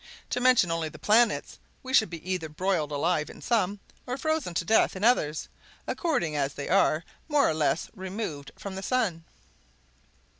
To mention only the planets, we should be either broiled alive in some, or frozen to death in others, according as they are more or less removed from the sun."